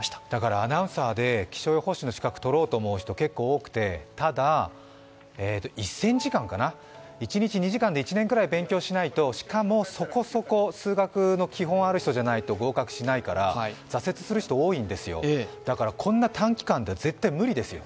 アナウンサーで気象予報士の資格取ろうと思う人結構多くて、ただ、１０００時間かな、一日２時間で１年ぐらい勉強しないと、しかもそこそこ数学の基本がある人じゃないと合格しないから挫折する人多いんですよ、だからこんな短期間じゃ絶対無理ですよ。